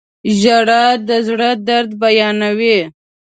• ژړا د زړه درد بیانوي.